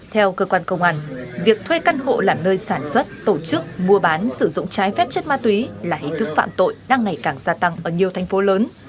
theo cơ quan công an việc thuê căn hộ làm nơi sản xuất tổ chức mua bán sử dụng trái phép chất ma túy là hình thức phạm tội đang ngày càng gia tăng ở nhiều thành phố lớn